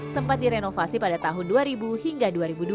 sempat direnovasi pada tahun dua ribu hingga dua ribu dua